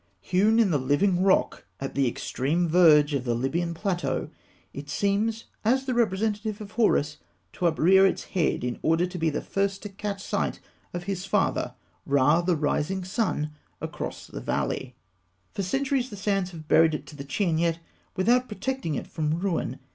Hewn in the living rock at the extreme verge of the Libyan plateau, it seems, as the representative of Horus, to uprear its head in order to be the first to catch sight of his father, Ra, the rising sun, across the valley (fig. 183). For centuries the sands have buried it to the chin, yet without protecting it from ruin.